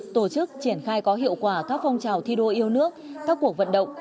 tổ chức triển khai có hiệu quả các phong trào thi đua yêu nước các cuộc vận động